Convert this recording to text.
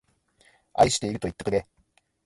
愛しているといってくれ